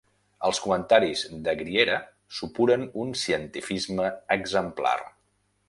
Els comentaris de Griera supuren un cientifisme exemplar.